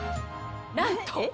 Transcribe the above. なんと。